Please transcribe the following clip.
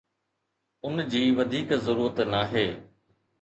ان جي وڌيڪ ضرورت ناهي